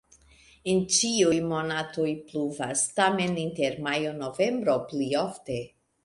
En ĉiuj monatoj pluvas, tamen inter majo-novembro pli ofte.